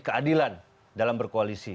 keadilan dalam berkoalisi